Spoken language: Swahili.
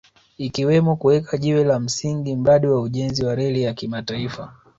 ikiwemo kuweka jiwe la msingi la mradi wa ujenzi wa reli ya kimataifa